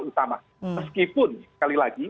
utama meskipun sekali lagi